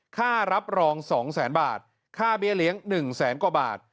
ค่ารับรอง๒แสนบาทค่าเบี้ยเลี้ยง๑แสนกว่าบาท